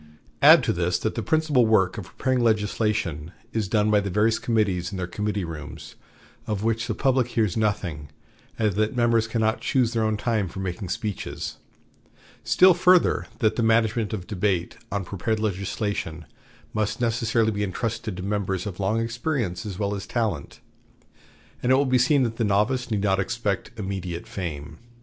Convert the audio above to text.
Add to this that the principal work of preparing legislation is done by the various committees in their committee rooms, of which the public hears nothing, and that members cannot choose their own time for making speeches; still further, that the management of debate on prepared legislation must necessarily be intrusted to members of long experience as well as talent, and it will be seen that the novice need not expect immediate fame.